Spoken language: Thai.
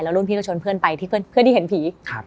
รุ่นพี่ก็ชวนเพื่อนไปที่เพื่อนที่เห็นผี